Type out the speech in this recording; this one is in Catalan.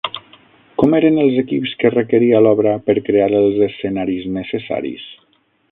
Com eren els equips que requeria l'obra per crear els escenaris necessaris?